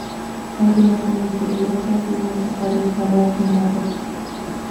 Algunas son muy peligrosas y es necesario escalar en la roca.